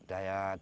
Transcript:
bener gak itu